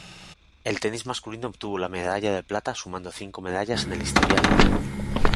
El tenis masculino obtuvo la medalla de plata sumando cinco medallas en el historial.